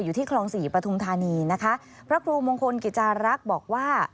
อยู่ที่คลองสี่ปฐุมธานีนะคะพระครูมงคลกิจจารักษ์บอกว่า